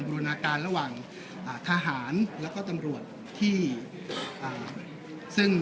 รณาการระหว่างทหารแล้วก็ตำรวจที่ซึ่ง